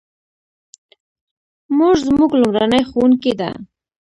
مور زموږ لومړنۍ ښوونکې ده